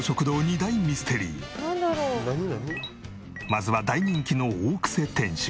まずは大人気の大クセ店主。